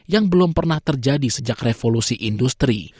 yang belum pernah terjadi sejak revolusi industri